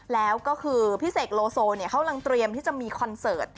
แล้วก็คือพี่เสกโลโซเขากำลังเตรียมที่จะมีคอนเสิร์ต